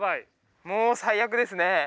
もう最悪ですね。